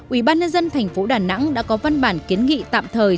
ủy ban nhân dân thành phố đà nẵng đã có văn bản kiến nghị tạm thời